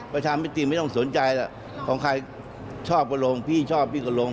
ประชามติไม่ต้องสนใจหรอกของใครชอบก็ลงพี่ชอบพี่ก็ลง